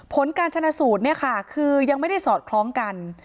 ผลการชนะสูตรเนี่ยค่ะคือยังไม่ได้สอดคล้องกัน